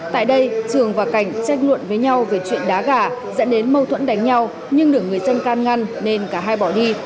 tại đây trường và cảnh tranh luận với nhau về chuyện đá gà dẫn đến mâu thuẫn đánh nhau nhưng được người dân can ngăn nên cả hai bỏ đi